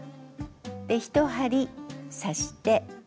で１針刺して。